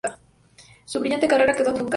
Su brillante carrera quedó truncada.